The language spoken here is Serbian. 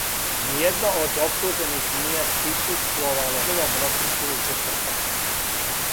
Ниједно од оптужених није присуствовало првом рочишту у четвртак.